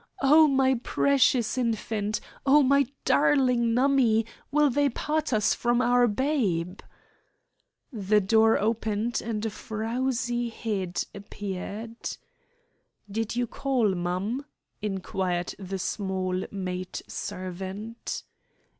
"Oh, my precious infant! Oh, my darling Nummie! Will they part us from our babe?" The door opened, and a frowsy head appeared. "Did you call, mum?" inquired the small maid servant.